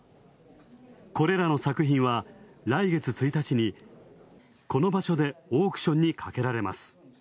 これらの作品は、来月１日に、この場所でオークションにかけられます。